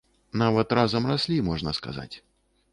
Нават разам раслі, можна сказаць.